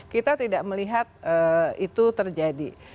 kita tidak melihat itu terjadi